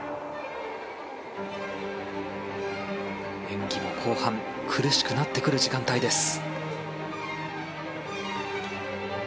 演技の後半苦しくなってくる時間帯です。